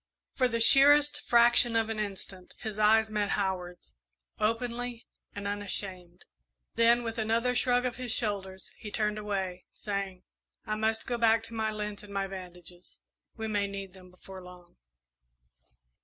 For the sheerest fraction of an instant his eyes met Howard's, openly and unashamed; then, with another shrug of his shoulders, he turned away, saying, "I must go back to my lint and my bandages we may need them before long."